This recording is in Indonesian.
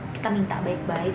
kita minta baik baik